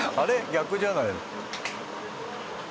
逆じゃないの？